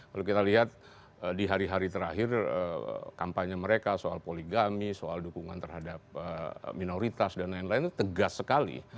kalau kita lihat di hari hari terakhir kampanye mereka soal poligami soal dukungan terhadap minoritas dan lain lain itu tegas sekali